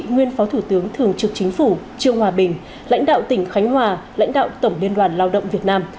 nguyên phó thủ tướng thường trực chính phủ trương hòa bình lãnh đạo tỉnh khánh hòa lãnh đạo tổng liên đoàn lao động việt nam